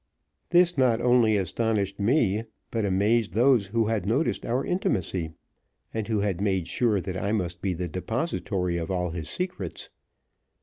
This not only astonished me, but amazed those who had noticed our intimacy, and who had made sure that I must be the depositary of all his secrets.